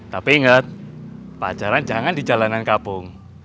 tapi inget pacaran jangan di jalanan kabung